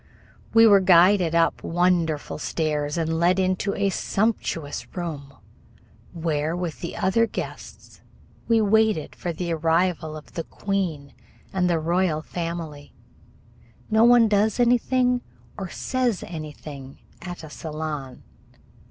We were guided up wonderful stairs and led into a sumptuous room, where, with the other guests, we waited for the arrival of the queen and the royal family. No one does anything or says anything at a salon.